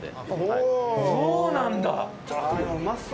そうなんだ。